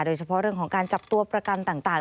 โดยเฉพาะเรื่องของการจับตัวประกันต่าง